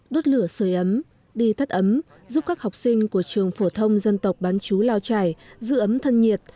đốt lửa sửa ấm đi thắt ấm giúp các học sinh của trường phổ thông dân tộc bán chú lao trải giữ ấm thân nhiệt